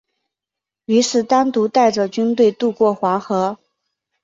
于是单独带着军队渡过黄河。